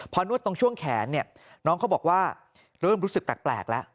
พอนวดตรงช่วงแขนเนี่ยน้องเขาบอกว่าเริ่มรู้สึกแปลกแล้ว